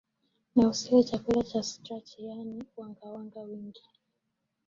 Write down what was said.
na usile chakula cha starchi yaani wanga wanga mwingi